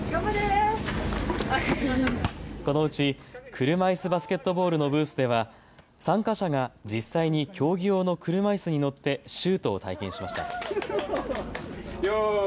このうち車いすバスケットボールのブースでは参加者が実際に競技用の車いすに乗ってシュートを体験しました。